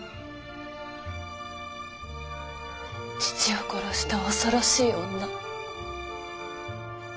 父を殺した恐ろしい女。